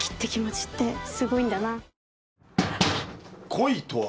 「恋とは」